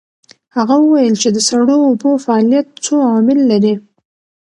هغه وویل چې د سړو اوبو فعالیت څو عوامل لري.